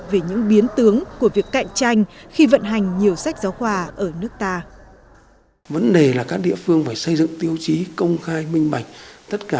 về những biến tướng của việc cạnh tranh khi vận hành nhiều sách giáo khoa ở nước ta